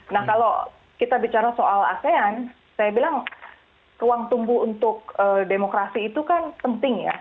nah kalau kita bicara soal asean saya bilang ruang tunggu untuk demokrasi itu kan penting ya